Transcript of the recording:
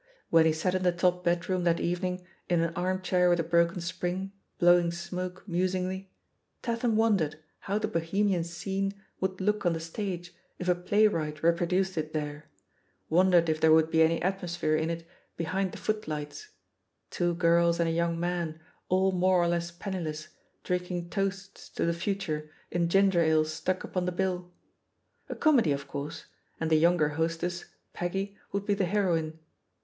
"When he sat in the top bedroom that evening, in an armchair with a broken spring, blowing smoke musingly, Tatham wondered how the bohemian scene would look on the stage if a playwright reproduced it there, wondered if there would be any atmosphere in it behind the footlights — two girls, and a young man, all more or less penniless, drinking toasts to the fu ture in ginger ale "stuck upon the bill." A com edy, of course, and the younger hostess, Peggy, would be the heroine.